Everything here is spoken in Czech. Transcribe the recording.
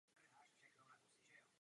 Dívčí forma tohoto jména je Cecílie.